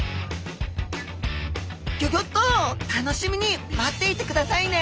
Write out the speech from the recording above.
ギョギョッと楽しみに待っていてくださいね！